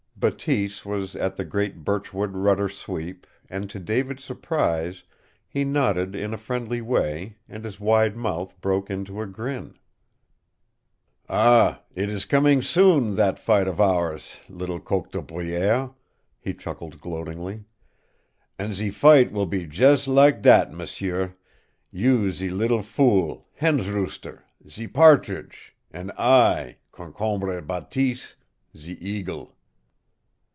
Bateese was at the great birchwood rudder sweep, and to David's surprise he nodded in a friendly way, and his wide mouth broke into a grin. "Ah, it is coming soon, that fight of ours, little coq de bruyere!" he chuckled gloatingly. "An' ze fight will be jus' lak that, m'sieu you ze little fool hen's rooster, ze partridge, an' I, Concombre Bateese, ze eagle!"